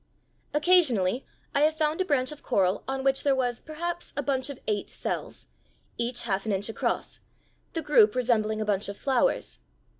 Occasionally I have found a branch of coral on which there was, perhaps, a bunch of eight cells, each half an inch across, the group resembling a bunch of flowers.